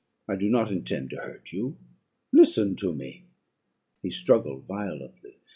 I do not intend to hurt you; listen to me.' "He struggled violently.